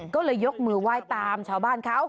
ก็เลยยกมือไหว้ตามชาวบ้านเขา